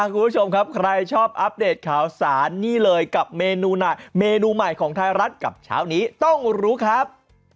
คุณผู้ชมครับใครชอบอัปเดตข่าวสารนี่เลยกับเมนูใหม่ของไทยรัฐกับเช้านี้ต้องรู้ครับ